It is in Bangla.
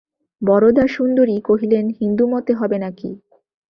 বরদাসুন্দরী কহিলেন, হিন্দুমতে হবে নাকি?